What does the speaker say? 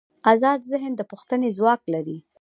ازاد ذهن د پوښتنې ځواک لري.